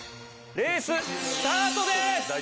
レーススタートです！